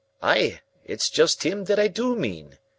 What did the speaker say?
"Aye, it's just him that I do mean.